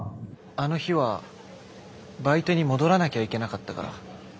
あの日はバイトに戻らなきゃいけなかったから。